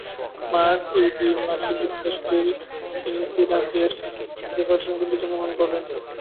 Mark E. Dean মার্কিন যুক্তরাষ্ট্রের Tennessee রাজ্যের জেফারসন সিটিতে জন্মগ্রহণ করেন।